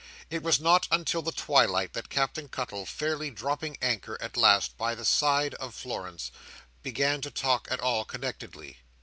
It was not until the twilight that Captain Cuttle, fairly dropping anchor, at last, by the side of Florence, began to talk at all connectedly.